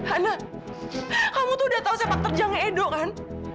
hana kamu tuh udah tahu sepak terjangnya edo kan